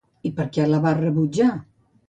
I per què la va rebutjar?